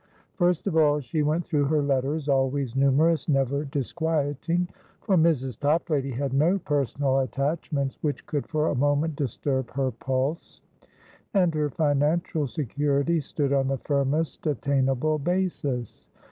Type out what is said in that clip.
First of all she went through her letters, always numerous, never disquietingfor Mrs. Toplady had no personal attachments which could for a moment disturb her pulse, and her financial security stood on the firmest attainable basis.